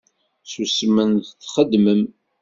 Ssusmem, txedmem.